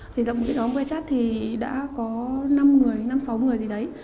thì lập một cái nhóm wechat thì đã có năm người năm sáu người gì đấy